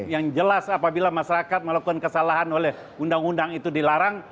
yang jelas apabila masyarakat melakukan kesalahan oleh undang undang itu dilarang